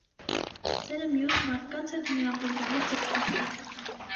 Սերը մյուս մարդկանց հետ միավորվելու ձգտումն է։